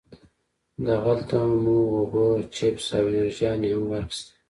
دغلته مو اوبه، چپس او انرژيانې هم واخيستې.